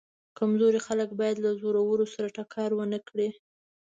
کمزوري خلک باید له زورورو سره ټکر ونه کړي.